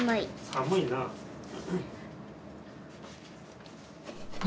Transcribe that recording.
寒いなあ。